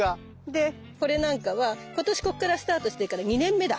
でこれなんかは今年こっからスタートしてるから２年目だ。